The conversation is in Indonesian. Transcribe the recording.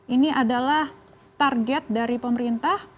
ini adalah target dari pemerintah